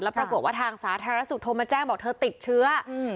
ปรากฏว่าทางสาธารณสุขโทรมาแจ้งบอกเธอติดเชื้ออืม